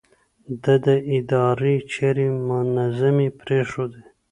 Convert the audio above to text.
ده د ادارې چارې منظمې پرېښودې.